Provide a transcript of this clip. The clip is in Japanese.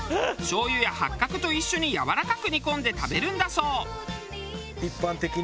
しょう油や八角と一緒にやわらかく煮込んで食べるんだそう。